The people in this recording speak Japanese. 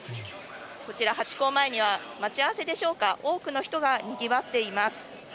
こちらハチ公前には、待ち合わせでしょうか、多くの人がにぎわっています。